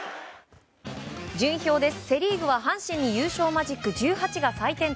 順位表です。